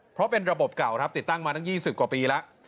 เพราะเป็นระบบเก่าครับติดตั้งมาตั้ง๒๐กว่าปีแล้ว